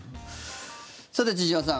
さて、千々岩さん